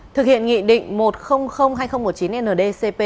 thực hiện nghị định một triệu hai nghìn một mươi chín ndcp